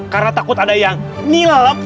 karena takut ada yang nilep